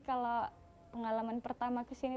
kalau pengalaman pertama kesini